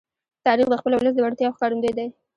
تاریخ د خپل ولس د وړتیاو ښکارندوی دی.